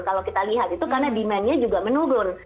kalau kita lihat itu karena demandnya juga menurun